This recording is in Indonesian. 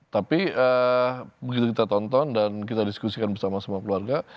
tapi begitu kita tonton dan kita diskusikan bersama sama keluarga